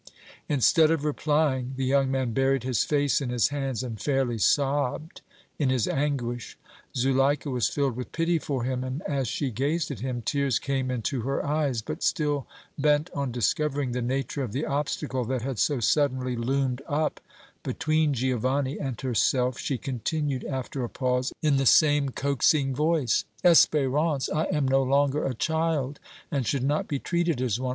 Instead of replying, the young man buried his face in his hands and fairly sobbed in his anguish. Zuleika was filled with pity for him, and, as she gazed at him, tears came into her eyes; but still bent on discovering the nature of the obstacle that had so suddenly loomed up between Giovanni and herself, she continued after a pause, in the same coaxing voice: "Espérance, I am no longer a child and should not be treated as one.